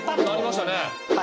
なりましたね。